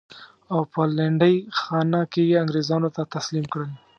او په لنډۍ خانه کې یې انګرېزانو ته تسلیم کړل.